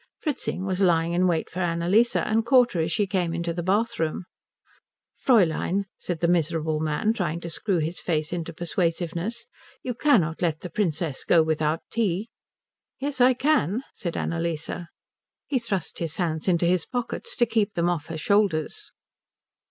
Fritzing was lying in wait for Annalise, and caught her as she came into the bathroom. "Fräulein," said the miserable man trying to screw his face into persuasiveness, "you cannot let the Princess go without tea." "Yes I can," said Annalise. He thrust his hands into his pockets to keep them off her shoulders.